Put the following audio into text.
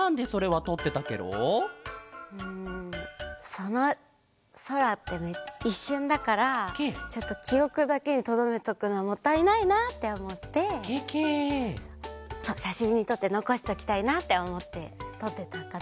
そのそらっていっしゅんだからちょっときおくだけにとどめとくのはもったいないなっておもってしゃしんにとってのこしておきたいなっておもってとってたかな。